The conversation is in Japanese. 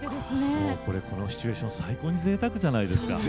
このシチュエーション最高にぜいたくじゃないですか！